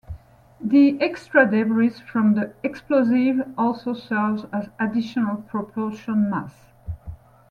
The extra debris from the explosives also serves as additional propulsion mass.